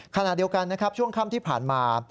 ขณะเดียวกันนะครับช่วงค่ำที่ผ่านมา